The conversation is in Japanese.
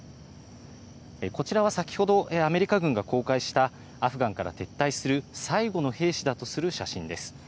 こちらは先ほどアメリカ軍が公開したアフガンから撤退する最後の兵士だとする写真です。